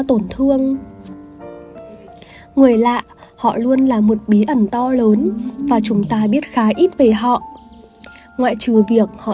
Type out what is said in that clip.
tổn thương người lạ họ luôn là một bí ẩn to lớn và chúng ta biết khá ít về họ ngoại trừ việc họ